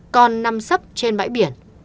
còn nằm sấp trên bãi biển